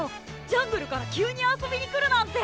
ジャングルから急に遊びに来るなんて！